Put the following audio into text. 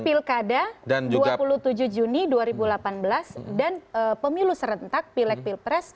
pilkada dua puluh tujuh juni dua ribu delapan belas dan pemilu serentak pilek pilpres